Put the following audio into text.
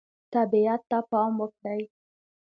طبیعت ته پام وکړئ.